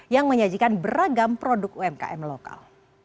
yang menyajikan beragam produk umkm lokal